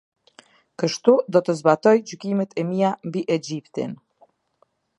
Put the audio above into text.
Kështu do të zbatoj gjykimet e mia mbi Egjiptin.